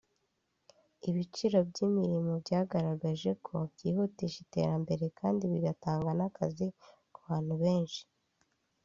Ibyiciro by’imirimo byagaragaje ko byihutisha iterambere kandi bigatanga n’akazi ku bantu benshi